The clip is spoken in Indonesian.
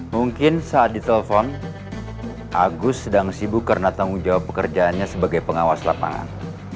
mungkin saat ditelepon agus sedang sibuk karena tanggung jawab pekerjaannya sebagai pengawas lapangan